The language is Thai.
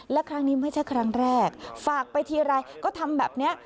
และครั้งนี้ไม่ใช่ครั้งแรกฝากไปทีไรก็ทำแบบนี้